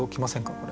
これ。